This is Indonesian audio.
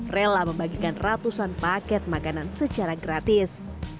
rela membagikan ratusan paket makanan secara gratis